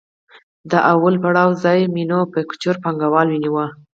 د لومړي پړاو ځای مینوفکچور پانګوالي ونیو